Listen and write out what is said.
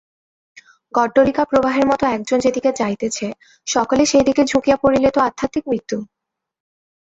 গড্ডলিকা-প্রবাহের মত একজন যেদিকে যাইতেছে, সকলে সেইদিকে ঝুঁকিয়া পড়িলে তো আধ্যাত্মিক মৃত্যু।